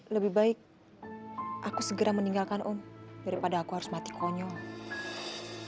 lebih baik aku segera meninggalkan om daripada aku harus mati konyol